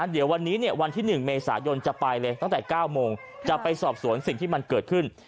เดี๋ยววันนี้วันที่๑เมษายนจะไปเลยตั้งแต่๙โมงจะไปสอบสวนสิ่งที่มันเกิดขึ้น